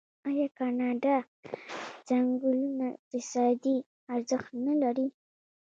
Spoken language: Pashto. آیا د کاناډا ځنګلونه اقتصادي ارزښت نلري؟